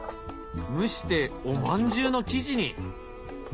蒸しておまんじゅうの生地に！